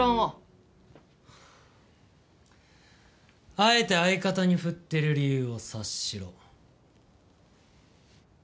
あえて相方に振ってる理由を察しろ。